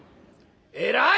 「偉い！